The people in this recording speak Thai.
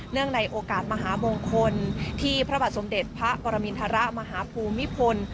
ในโอกาสมหามงคลที่พระบาทสมเด็จพระปรมินทรมาฮภูมิพล